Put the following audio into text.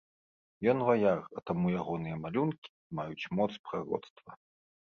Ён ваяр, а таму ягоныя малюнкі маюць моц прароцтва.